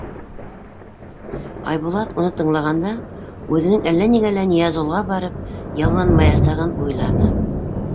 Айбулат, уны тыңлағанда, үҙенең әллә нигә лә Ныязғолға барып ялланмаясағын уйланы.